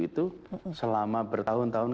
itu selama bertahun tahun